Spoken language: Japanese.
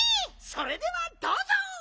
それではどうぞ！